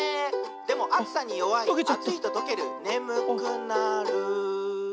「でもあつさによわいあついととけるねむくなる」